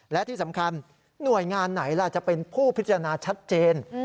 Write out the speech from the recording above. และที่สำคัญหน่วยงานไหนล่ะจะเป็นผู้พิจารณาชัดเจน